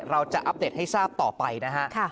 เราจะอัปเดตให้ทราบต่อไปนะฮะ